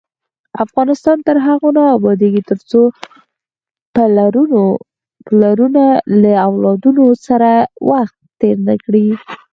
افغانستان تر هغو نه ابادیږي، ترڅو پلرونه له اولادونو سره وخت تیر نکړي.